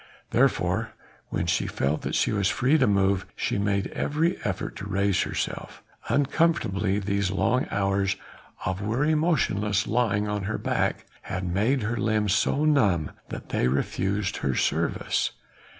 Therefore, when she felt that she was free to move, she made every effort to raise herself uncomfortably; these long hours of weary motionless lying on her back, had made her limbs so numb that they refused her service.